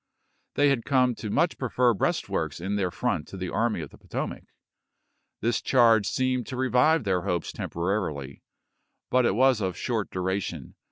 They had come to much prefer breastworks in their front to the Army of the Potomac. This charge seemed to revive their hopes temporarily, but it was of short duration.